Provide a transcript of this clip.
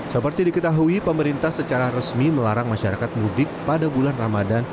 seperti diketahui pemerintah secara resmi melarang masyarakat mudik pada bulan ramadan